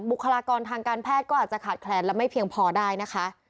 บุคลากรทางการแพทย์ก็อาจจะขาดแคลนและไม่เพียงพอได้นะคะ